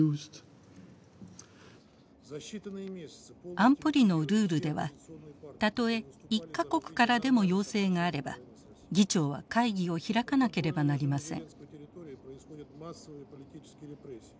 安保理のルールではたとえ１か国からでも要請があれば議長は会議を開かなければなりません。